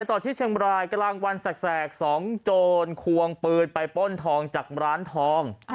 ต่อที่เชียงบรายกลางวันแสกสองโจรควงปืนไปป้นทองจากร้านทอง